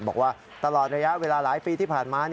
บอกว่าตลอดระยะเวลาหลายปีที่ผ่านมา